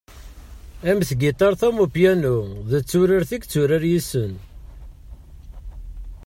Am tgiṭart am upyanu, d turart i yetturar yes-sen.